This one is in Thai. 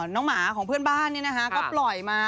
หมาของเพื่อนบ้านก็ปล่อยมา